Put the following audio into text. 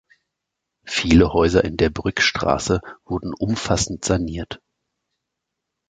Viele Häuser in der Brückstraße wurden umfassend saniert.